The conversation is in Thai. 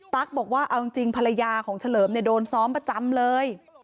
บอกว่าเอาจริงภรรยาของเฉลิมเนี่ยโดนซ้อมประจำเลย